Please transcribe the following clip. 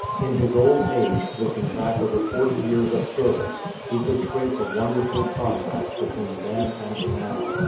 In his old age, looking back over forty years of service, he could trace a wonderful contrast between then and now.